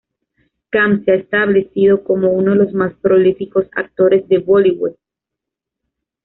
Khan se ha establecido como uno de los más prolíficos actores de Bollywood.